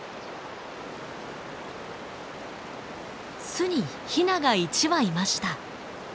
巣にヒナが１羽いました。